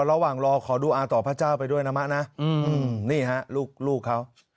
รอขอดูอาต่อพระเจ้าไปด้วยนะมะนะนี่ฮะลูกเขา